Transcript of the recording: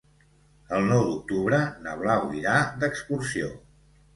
El nou d'octubre na Blau irà d'excursió.